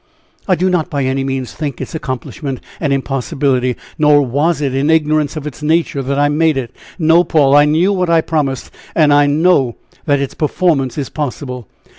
I do not by any means think its accomplishment an impossibility, nor was it in ignorance of its nature that I made it. No, Paul! I knew what I promised, and I know that its performance is possible.